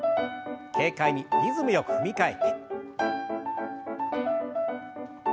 軽快にリズムよく踏み替えて。